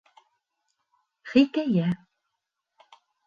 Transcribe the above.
Хикәйә